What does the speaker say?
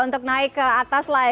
untuk naik ke atas lagi